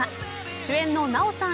主演の奈緒さん